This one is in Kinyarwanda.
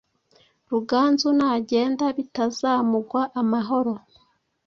Ruganzu nagenda bitazamugwa amahoro.